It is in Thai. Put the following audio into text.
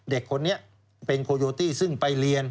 เด็กคนนี้เป็นโคโยตี้ซึ่งไปเรียน